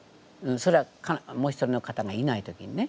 それはもう一人の方がいない時にね。